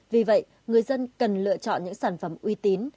vì vậy người dân cần lựa chọn những sản phẩm uy tín